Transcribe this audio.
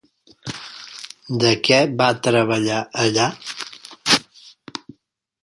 De què va treballar allà?